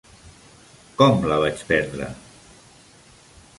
Com la vaig perdre?